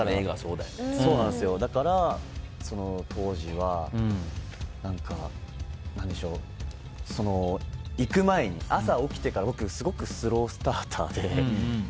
だから、当時は行く前に朝、起きてから僕、すごくスロースターターで。